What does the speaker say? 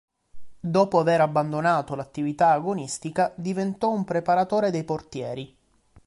Dopo aver abbandonato l'attività agonistica, diventò un preparatore dei portieri.